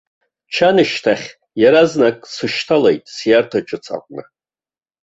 Чаншьҭахь иаразнак сышьҭалеит сиарҭа ҿыц аҟны.